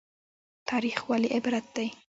تاریخ ولې عبرت دی؟